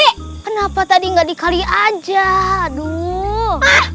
kenapa tadi gak di kali aja aduh